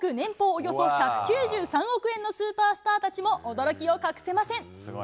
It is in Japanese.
およそ１９３億円のスーパースターたちも、驚きを隠せません。